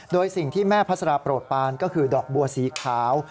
โดยสิ่งที่แม่พัสราโปรดปานก็คือดอกบัวสีขาว